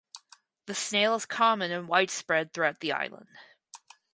The snail is common and widespread throughout the island.